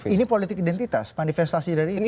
ini politik identitas manifestasi dari ini